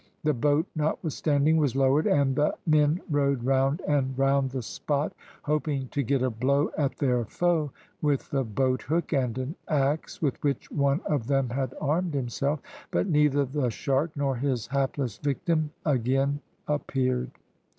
The boat, notwithstanding, was lowered, and the men rowed round and round the spot hoping to get a blow at their foe with the boat hook and an axe with which one of them had armed himself; but neither the shark nor his hapless victim again appeared.